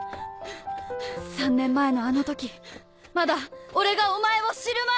３年前のあの時まだ俺がお前を知る前！